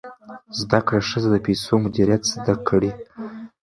زده کړه ښځه د پیسو مدیریت زده کړی.